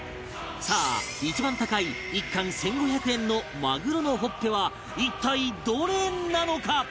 さあ一番高い１貫１５００円のマグロのほっぺは一体どれなのか？